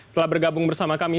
telah bergabung bersama kami